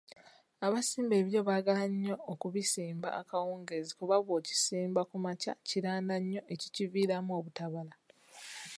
Abasimba ebiryo baagala nnyo okubisimba akawungeezi kuba bw’okisimba ku makya kiranda nnyo ekikiviiramu obutabala.